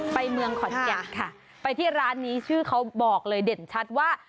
ไปเมืองขอนแก่นค่ะไปที่ร้านนี้ชื่อเขาบอกเลยเด่นชัดว่า